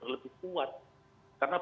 lebih kuat karena